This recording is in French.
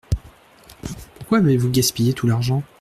Pourquoi avez-vous gaspillé tout l’argent ?